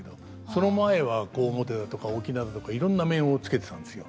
その前は小面だとか翁だとかいろんな面をつけてたんですよ。